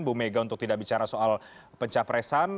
bu mega untuk tidak bicara soal pencapresan